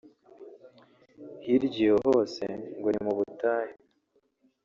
hirya iyo hose ngo ni mu butayu